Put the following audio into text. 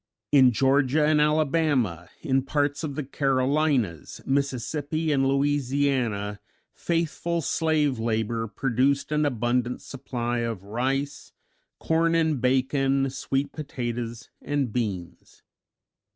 In Georgia and Alabama, in parts of the Carolinas, Mississippi and Louisiana faithful slave labor produced an abundant supply of rice, corn and bacon, sweet potatoes and beans.